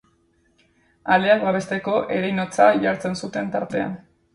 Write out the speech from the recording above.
Aleak babesteko ereinotza jartzen zuten tartean.